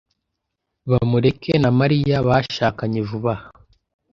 Bamureke na Mariya bashakanye vuba aha.